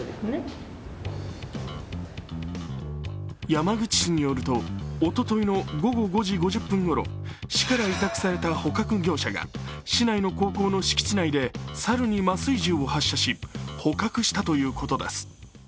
山口市によるとおとといの午後５時５０分頃、市から委託された捕獲業者が市内の高校の敷地内で猿に麻酔銃を発射し捕獲したということです。